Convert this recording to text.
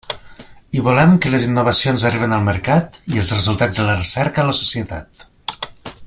I volem que les innovacions arriben al mercat i els resultats de la recerca a la societat.